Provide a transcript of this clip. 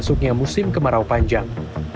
termasuknya musim kemarau panjang